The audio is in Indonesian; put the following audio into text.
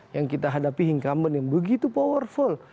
yang kita hadapi incumbent yang begitu powerful